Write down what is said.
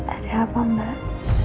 ada apa mbak